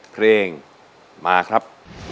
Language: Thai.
เพลงมาครับ